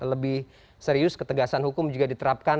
lebih serius ketegasan hukum juga diterapkan